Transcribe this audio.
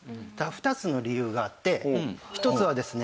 ２つの理由があって１つはですね